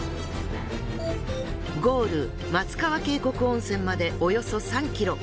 ゴール松川渓谷温泉までおよそ３ｋｍ。